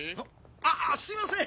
・あすいません